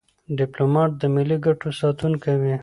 ډيپلومات د ملي ګټو ساتونکی وي.